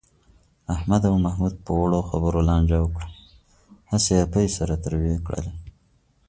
احمد او محمود په وړو خبرو لانجه وکړه. هسې یې پۍ سره تروې کړلې.